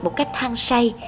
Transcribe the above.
một cách hăng say